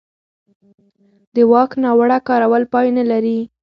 د واک ناوړه کارول پای نه لري